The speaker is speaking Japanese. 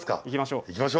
行きましょう。